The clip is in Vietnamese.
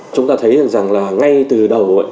chúng ta thấy rằng là ngay từ đầu